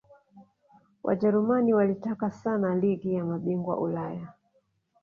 Wajerumani walitaka sana ligi ya mabingwa Ulaya